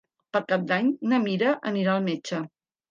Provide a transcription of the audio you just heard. Per Cap d'Any na Mira anirà al metge.